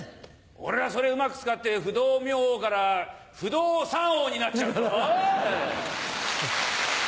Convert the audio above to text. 俺がそれうまく使って不動明王から不動産王になっちゃうぞ！